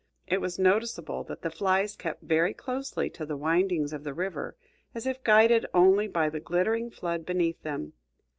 It was noticeable that the flies kept very closely to the windings of the river, as if guided only by the glittering flood beneath them.